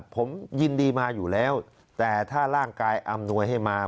ผมยินดีมาอยู่แล้วแต่ถ้าร่างกายอำนวยให้มา